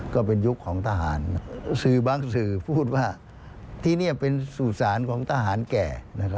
ก็เป็นยุคของทหารสื่อบางสื่อพูดว่าที่นี่เป็นสู่สารของทหารแก่